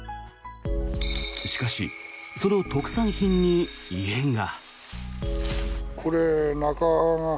しかし、その特産品に異変が。